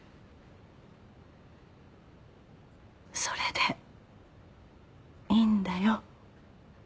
それでいいんだよ。